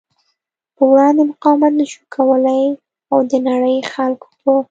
پر وړاندې مقاومت نشو کولی او د نړۍ خلکو په